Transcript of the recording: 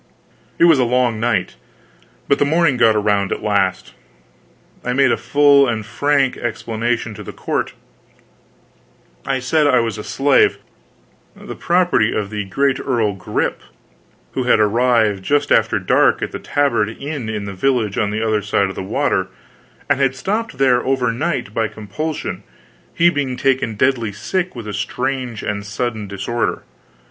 It was a long night, but the morning got around at last. I made a full and frank explanation to the court. I said I was a slave, the property of the great Earl Grip, who had arrived just after dark at the Tabard inn in the village on the other side of the water, and had stopped there over night, by compulsion, he being taken deadly sick with a strange and sudden disorder.